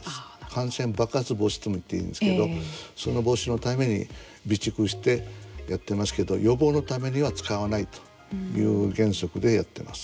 感染爆発防止と見ていいんですけど、その防止のために備蓄してやっていますけど予防のためには使わないという原則でやっています。